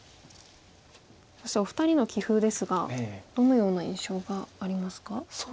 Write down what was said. そしてお二人の棋風ですがどのような印象がありますか？